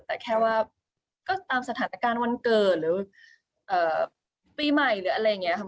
แต่แค่ว่าก็ตามสถานการณ์วันเกิดหรือปีใหม่หรืออะไรอย่างนี้ค่ะ